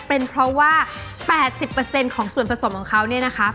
เป็นเพราะว่า๘๐ของส่วนผสมของเขาเนี่ยนะคะ